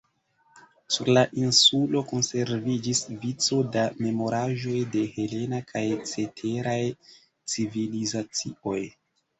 Sur la insulo konserviĝis vico da memoraĵoj de helena kaj ceteraj civilizacioj.